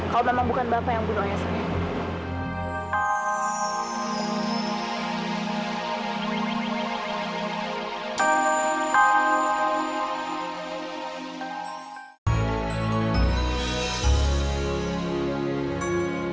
kalau memang bukan bapak yang bunuh ayah saya